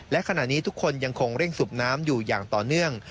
และขณะนี้ทุกคนยังคงเร่งสูบน้ำอยู่อย่างต่อเนื่อง